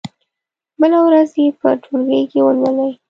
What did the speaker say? بله ورځ يې په ټولګي کې ولولئ.